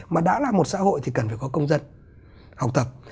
mà đã là một xã hội thì cần phải có công dân học tập